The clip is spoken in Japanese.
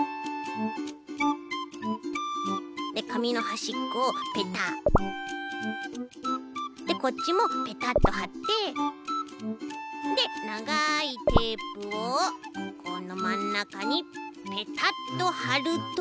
でかみのはしっこをペタッ！でこっちもペタッとはってでながいテープをこのまんなかにペタッとはると。